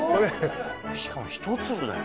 しかもひと粒だよ？